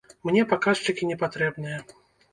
Мне паказчыкі не патрэбныя.